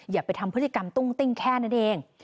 อย่าไปทำพฤติกรรมตุ้งติ้งแค่นั้นเอง